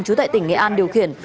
trú tại tỉnh nghệ an điều khiển